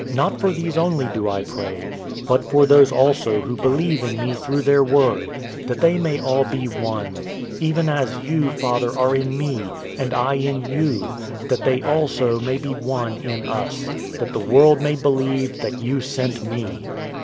017:020 Not for these only do I pray, but for those also who believe in me through their word, 017:021 that they may all be one; even as you, Father, are in me, and I in you, that they also may be one in us; that the world may believe that you sent me.